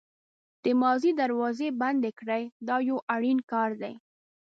د ماضي دروازې بندې کړئ دا یو اړین کار دی.